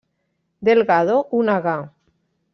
Delgado ho negà.